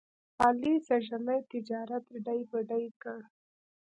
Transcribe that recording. علي سږني تجارت ډۍ په ډۍ کړ.